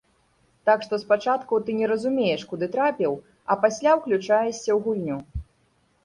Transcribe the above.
Так што спачатку ты не разумееш, куды трапіў, а пасля ўключаешся ў гульню.